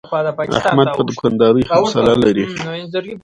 احمد په دوکاندارۍ حوصله لري.